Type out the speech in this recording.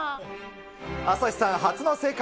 朝日さん初の正解。